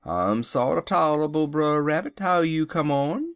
"'I'm sorter toler'ble, Brer Rabbit; how you come on?'